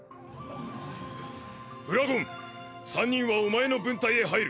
フラゴン３人はお前の分隊へ入る。